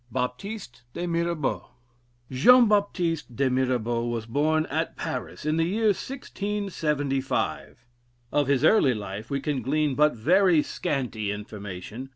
BAPTISTE DE MIRABAUD Jean Baptiste de Mirabaud was born at Paris, in the year 1675. Of his early life we can glean but very scanty information.